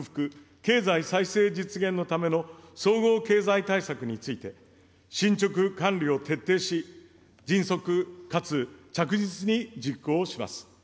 ・経済再生実現のための総合経済対策について、進捗管理を徹底し、迅速かつ着実に実行します。